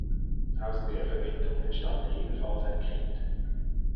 Aus der Verbindung entstammt ebenfalls ein Kind.